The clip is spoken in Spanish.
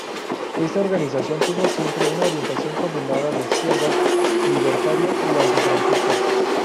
Esta organización tuvo siempre una orientación combinada de izquierdas, libertaria y antifranquista.